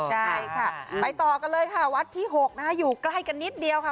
ใช่ค่ะไปต่อกันเลยค่ะวัดที่๖นะคะอยู่ใกล้กันนิดเดียวค่ะ